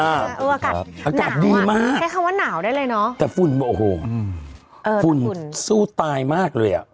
อื้ออากาศดีมากแค่คำว่าหนาวได้เลยเนอะแต่ฝุ่นโอ้โหฝุ่นสู้ตายมากเลยอ่ะ